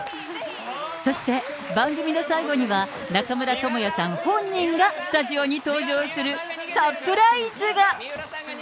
そして番組の最後には、中村倫也さん本人がスタジオに登場する、サプライズが。